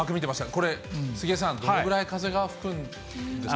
これ、杉江さん、どのぐらい風が吹くんですか？